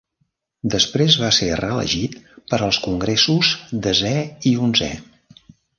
Després va ser reelegit per als Congressos Desè i Onzè.